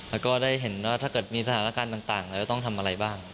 แล้วก็ได้เห็นว่าถ้าเกิดมีสถานการณ์ต่างเราจะต้องทำอะไรบ้าง